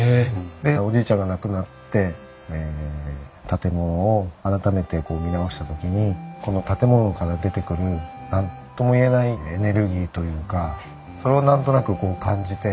でおじいちゃんが亡くなって建物を改めて見直した時にこの建物から出てくる何とも言えないエネルギーというかそれを何となく感じて。